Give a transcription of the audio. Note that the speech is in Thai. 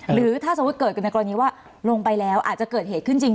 หรือถ้าสมมุติเกิดกันในกรณีว่าลงไปแล้วอาจจะเกิดเหตุขึ้นจริง